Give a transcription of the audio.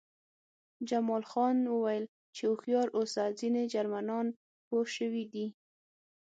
جمال خان وویل چې هوښیار اوسه ځینې جرمنان پوه شوي دي